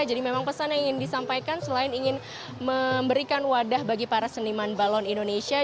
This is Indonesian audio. jadi memang pesan yang ingin disampaikan selain ingin memberikan wadah bagi para seniman balon indonesia